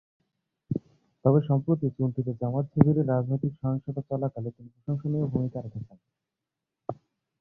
তবে সম্প্রতি চুনতিতে জামায়াত-শিবিরের রাজনৈতিক সহিংসতা চলাকালে তিনি প্রশংসনীয় ভূমিকা রেখেছেন।